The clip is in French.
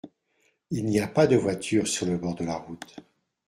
Il n’y a pas de voiture sur le bord de la route.